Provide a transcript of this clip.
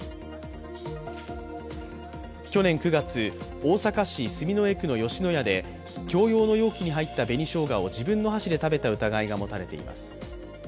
去年９月、大阪市住之江区の吉野家で共用の容器に入った紅しょうがを自分の箸で食べた疑いが持たれています。